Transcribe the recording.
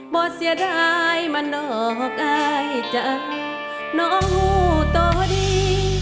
บ่เสียดายมันออกไอจากหนองหูต่อดี